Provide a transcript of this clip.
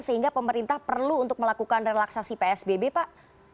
sehingga pemerintah perlu untuk melakukan relaksasi psbb pak